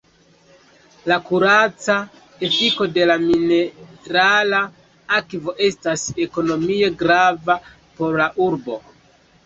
La kuraca efiko de la minerala akvo estas ekonomie grava por la urbo.